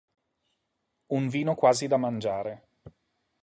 Un vino quasi da mangiare.